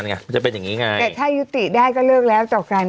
มันจะเป็นอย่างงี้ไงแต่ถ้ายุติได้ก็เลิกแล้วต่อกัน